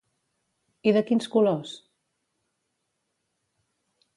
I de quins colors?